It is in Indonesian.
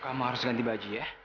kamu harus ganti baju ya